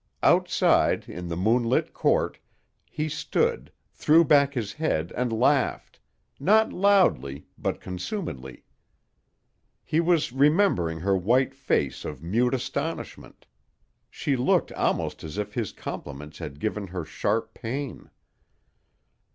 Outside, in the moonlit court, he stood, threw back his head and laughed, not loudly but consumedly. He was remembering her white face of mute astonishment. She looked almost as if his compliment had given her sharp pain.